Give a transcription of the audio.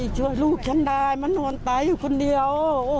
ช่วยลูกฉันได้มันนอนตายอยู่คนเดียว